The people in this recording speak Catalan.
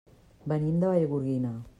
Venim de Vallgorguina.